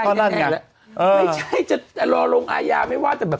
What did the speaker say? ไม่ใช่จะรอลงอายาไม่ว่าจะแบบ